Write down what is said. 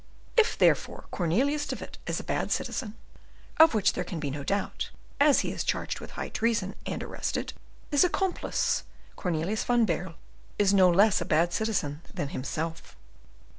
"If, therefore, Cornelius de Witt is a bad citizen, of which there can be no doubt, as he is charged with high treason, and arrested, his accomplice, Cornelius van Baerle, is no less a bad citizen than himself.